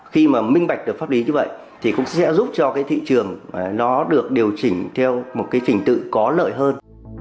khi mà minh bạch được pháp lý như vậy thì cũng sẽ giúp cho cái thị trường nó được điều chỉnh theo một cái trình tự có lợi hơn